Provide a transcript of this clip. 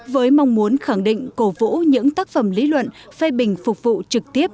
với mong muốn khẳng định cổ vũ những tác phẩm lý luận phê bình phục vụ trực tiếp